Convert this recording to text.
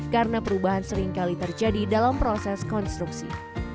karena perubahan sering kali terjadi dalam proses konstruksi